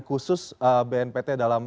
khusus bnpt dalam